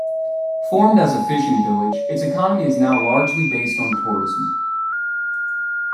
Formed as a fishing village, its economy is now largely based on tourism.